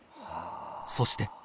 そして